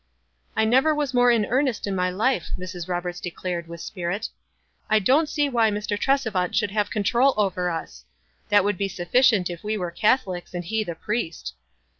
"I never was more in earnest in my life," Mrs. Roberts declared, with spirit. "I don't see why Mr. Tresevant should have control over us. That would be sufficient if we were Catholics and he the priest."